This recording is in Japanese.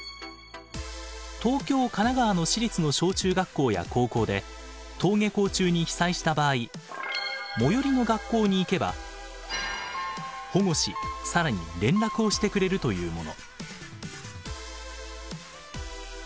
東京神奈川の私立の小中学校や高校で登下校中に被災した場合最寄りの学校に行けば保護し更に連絡をしてくれるというもの。